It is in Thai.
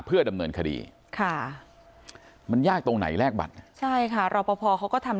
เพื่อดำเนินคดีค่ะมันยากตรงไหนแลกบัตรใช่ค่ะรอปภเขาก็ทำ